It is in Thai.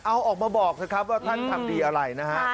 เอาออกมาบอกสิครับว่าท่านทำดีอะไรนะฮะ